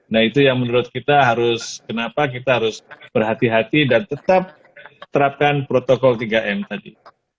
nah itu yang menurut kita harus kenapa kita harus berhati hati dan tetap terapkan protokol tiga m tadi